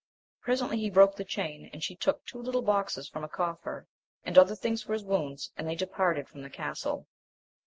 Presently he broke the chain, and she took two little boxes from a cofier, and other things for his wounds, and they departed from the castle.